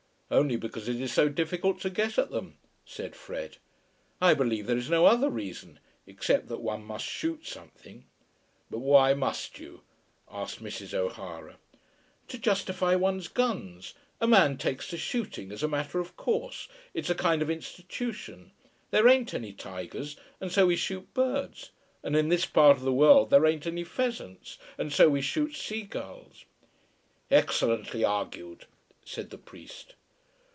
"Only because it is so difficult to get at them," said Fred. "I believe there is no other reason, except that one must shoot something." "But why must you?" asked Mrs. O'Hara. "To justify one's guns. A man takes to shooting as a matter of course. It's a kind of institution. There ain't any tigers, and so we shoot birds. And in this part of the world there ain't any pheasants, and so we shoot sea gulls." "Excellently argued," said the priest.